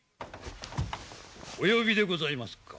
お呼びでございますか？